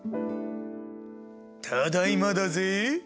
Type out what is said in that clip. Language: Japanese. ただいまだぜぇ。